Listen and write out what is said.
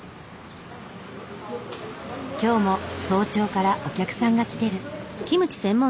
今日も早朝からお客さんが来てる。